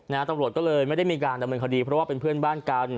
ตำรวจก็เลยไม่ได้มีการดำเนินคดีเพราะว่าเป็นเพื่อนบ้านกัน